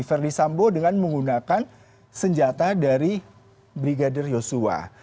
verdi sambo dengan menggunakan senjata dari brigadir yosua